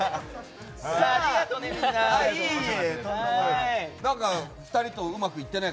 ありがとうね、みんな！